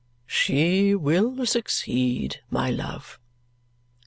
"She will succeed, my love!"